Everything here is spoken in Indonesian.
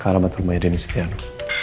ke alamat rumahnya deni setiano